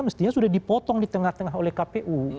mestinya sudah dipotong di tengah tengah oleh kpu